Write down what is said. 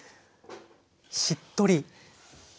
しっとり。